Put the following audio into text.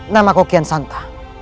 nama kau kian santa